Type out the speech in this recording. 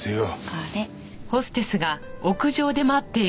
これ。